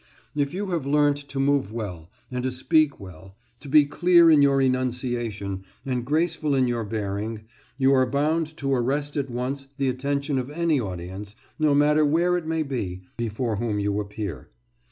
If you have learnt to move well and to speak well, to be clear in your enunciation and graceful in your bearing, you are bound to arrest at once the attention of any audience, no matter where it may be, before whom you appear.